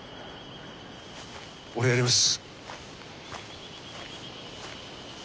俺やります。